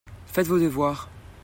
Faites vos devoirs.